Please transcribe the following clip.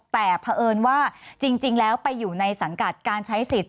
แต่เผอิญว่าจริงแล้วไปอยู่ในสังกัดการใช้สิทธิ